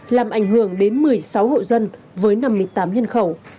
làm ảnh hưởng đến một mươi sáu hộ dân với năm mươi tám nhân khẩu